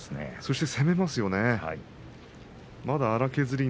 そして攻めますよね琴勝峰。